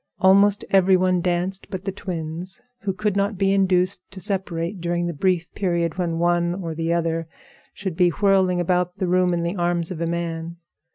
Almost every one danced but the twins, who could not be induced to separate during the brief period when one or the other should be whirling around the room in the arms of a man.